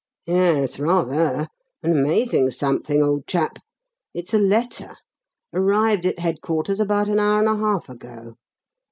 "Yes rather! An amazing 'something,' old chap. It's a letter. Arrived at headquarters about an hour and a half ago.